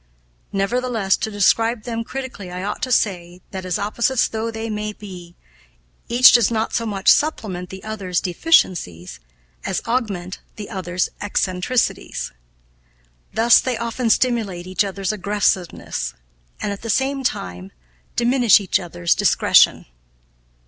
"Nevertheless, to describe them critically, I ought to say that, opposites though they be, each does not so much supplement the other's deficiencies as augment the other's eccentricities. Thus they often stimulate each other's aggressiveness, and, at the same time, diminish each other's discretion.